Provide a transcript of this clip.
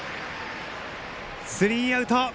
スリーアウト。